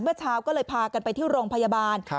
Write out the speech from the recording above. เมื่อเช้าก็เลยพากันไปที่โรงพยาบาล